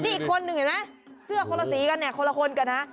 นี่อีกคนหนึ่งเห็นไหมเสื้อคนละสีกันเนี่ยคนละคนกันนะ